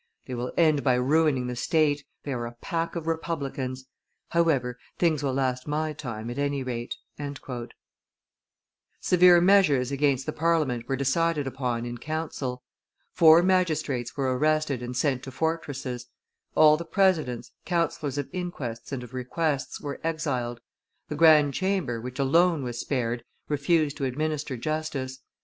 ... They will end by ruining the state; they are a pack of republicans. ... However, things will last my time, at any rate." Severe measures against the Parliament were decided upon in council. Four magistrates were arrested and sent to fortresses; all the presidents, councillors of inquests and of requests, were exiled; the grand chamber, which alone was spared, refused to administer justice.